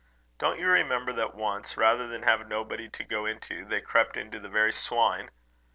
Don't you remember that once, rather than have no body to go into, they crept into the very swine?